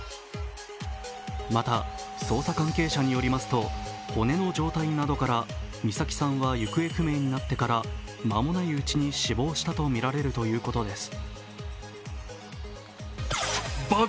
また捜査関係者によりますと骨の状態などから美咲さんは行方不明になってから間もないうちに死亡したとみられるということです。